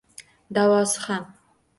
Davosi ham